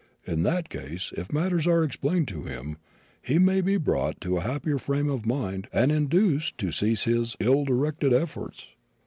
In that case if matters are explained to him, he may be brought to a happier frame of mind and induced to cease his ill directed efforts.